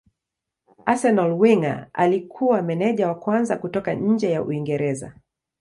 Arsenal Wenger alikuwa meneja wa kwanza kutoka nje ya Uingereza.